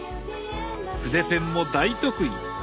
筆ペンも大得意！